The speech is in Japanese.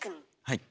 はい。